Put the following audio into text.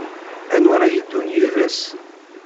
Anwa ara yeddun yid-s?